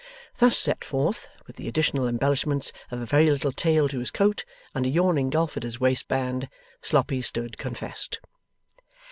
Thus set forth, with the additional embellishments of a very little tail to his coat, and a yawning gulf at his waistband, Sloppy stood confessed.